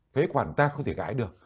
phế quản ta không thể gãi được